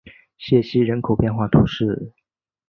谢西人口变化图示